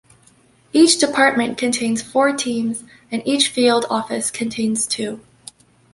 Each department contains four teams and each field office contains two.